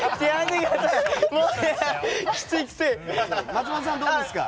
松本さんどうですか？